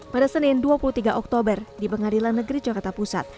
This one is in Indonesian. pada senin dua puluh tiga oktober di pengadilan negeri jakarta pusat